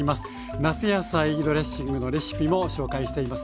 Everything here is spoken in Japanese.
夏野菜ドレッシングのレシピも紹介しています。